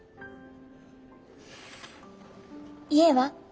家は？